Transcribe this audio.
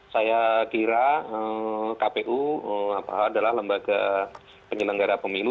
saya kira kpu adalah lembaga penyelenggara pemilu